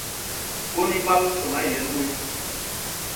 Kone iba besse mayen woe.